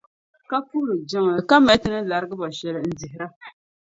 ka puhiri jiŋli, ka mali Ti ni larigi ba shɛli n-dihira.